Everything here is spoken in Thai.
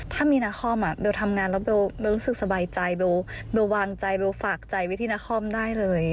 ถ้ามีนาคอมเบลทำงานแล้วเบลรู้สึกสบายใจเบลวางใจเบลฝากใจไว้ที่นครได้เลย